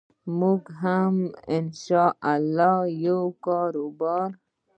موږ به هم إن شاء الله یو کاربار